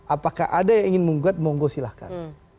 apakah ada yang ingin mengugat moonggo silahkan